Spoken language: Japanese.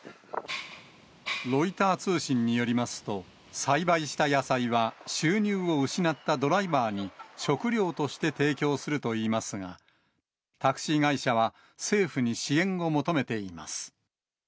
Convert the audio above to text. ロイター通信によりますと、栽培した野菜は、収入を失ったドライバーに食料として提供するといいますが、タクシー会社は、政府に支援を求めています。